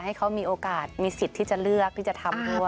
ให้เขามีโอกาสมีสิทธิ์ที่จะเลือกที่จะทำด้วย